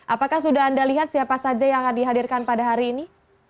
apakah sudah anda lihat siapa saja yang dihadirkan pada hari ini